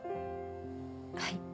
はい。